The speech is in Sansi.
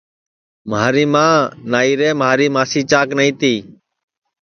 مھاری ماں نائیرے مھاری ماسی چاک نائی تی